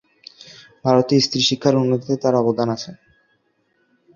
ভারতে স্ত্রী শিক্ষার উন্নতিতে তার অবদান আছে।